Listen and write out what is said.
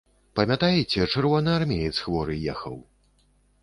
Памятаеце, чырвонаармеец хворы ехаў?